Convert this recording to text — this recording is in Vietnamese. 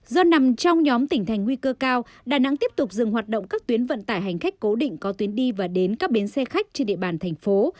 do nằm trong nhóm tỉnh thành nguy cơ cao đà nẵng tiếp tục dừng hoạt động các tuyến vận tải hành khách cố định có tuyến đi và đến các bến xe khách trên địa bàn thành phố